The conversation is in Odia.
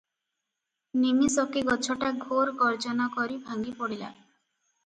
ନିମିଷକେ ଗଛଟା ଘୋର ଗର୍ଜନକରି ଭାଙ୍ଗି ପଡ଼ିଲା ।